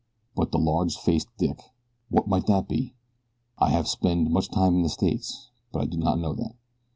"But the large faced dick what might that be? I have spend much time in the States, but I do not know that."